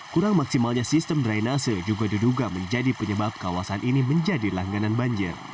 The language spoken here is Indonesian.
kurang maksimalnya sistem drainase juga diduga menjadi penyebab kawasan ini menjadi langganan banjir